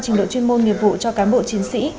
trình độ chuyên môn nghiệp vụ cho cán bộ chiến sĩ